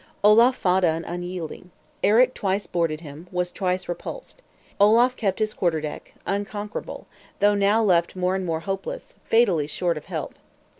Olaf fought on unyielding. Eric twice boarded him, was twice repulsed. Olaf kept his quarterdeck; unconquerable, though left now more and more hopeless, fatally short of help.